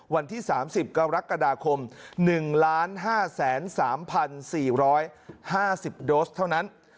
วันที่๓๐กรกฎาคม๑ล้าน๕แสน๓พัน๔๕๐โดสเท่านั้น